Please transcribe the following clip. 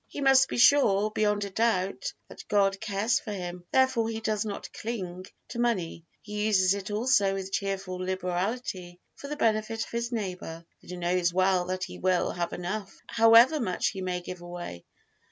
He must be sure beyond a doubt that God cares for him; therefore he does not cling to money; he uses it also with cheerful liberality for the benefit of his neighbor, and knows well that he will have enough, however much he may give away.